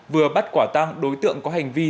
vừa bắt quả tăng đối tượng có hành vi